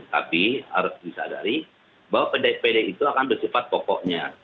tapi harus disadari bahwa pede itu akan bersifat pokoknya